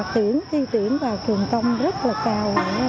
khi tuyển vào trường công rất là cao